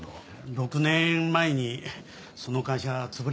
６年前にその会社潰れましてね。